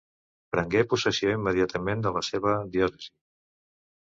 Prengué possessió immediatament de la seva diòcesi.